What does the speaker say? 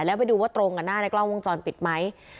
แล้วไปดูว่าตรงกับหน้าในกล้องวงจรปิดไหม